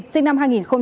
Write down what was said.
sinh năm hai nghìn sáu